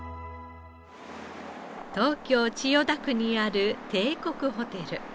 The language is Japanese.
東京千代田区にある帝国ホテル。